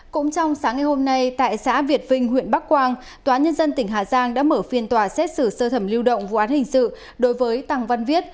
cũng trong sáng ngày hôm nay tại xã việt vinh huyện bắc quang tòa nhân dân tỉnh hà giang đã mở phiên tòa xét xử sơ thẩm lưu động vụ án hình sự đối với tạng văn viết